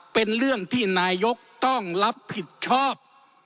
เป็นเรื่องที่นายกต้องรับผิดชอบ